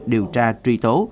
điều tra truy tố